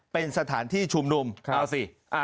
เป็นสถานที่ชุมนุมเอาสิ